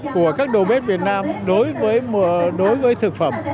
của các đầu bếp việt nam đối với thực phẩm